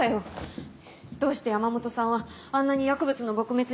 どうして山本さんはあんなに薬物の撲滅に熱心なのかって。